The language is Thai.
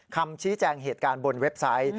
คำชี้แจงเหตุการณ์บนเว็บไซต์